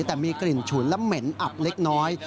แต่มีกลิ่นฉุนและเหม็นอับเล็กน้อย